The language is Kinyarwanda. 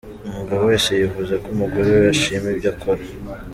Umugabo wese yifuza ko umugore we ashima ibyo akora .